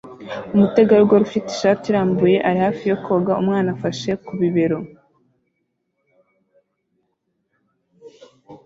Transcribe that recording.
Umutegarugori ufite ishati irambuye ari hafi yo koga umwana afashe ku bibero